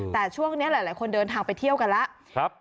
แต่ช่วงนี้หลายคนเดินทางไปเที่ยวกันแล้ว